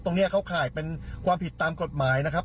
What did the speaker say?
เข้าข่ายเป็นความผิดตามกฎหมายนะครับ